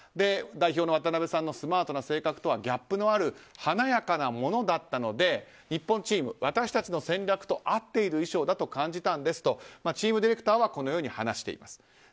渡邉さんのスマートな性格とはギャップのある華やかなものだったので日本チーム、私たちの戦略と合っている衣装だと感じたんですとチームディレクターはこのように話しています。